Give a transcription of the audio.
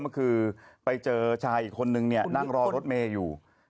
ก็คือไปเจอชายอีกคนนึงเนี่ยนั่งรอรถเมย์อยู่